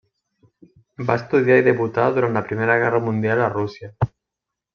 Va estudiar i debutar durant la Primera Guerra Mundial a Rússia.